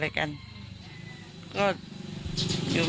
แล้วเขาก็หนูเอง